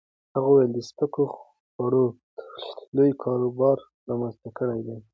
هغه وویل د سپکو خوړو تولید لوی کاروبار رامنځته کړی دی.